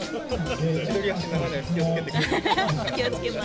千鳥足にならないように気をつけてください。